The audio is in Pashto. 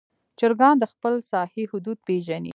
چرګان د خپل ساحې حدود پېژني.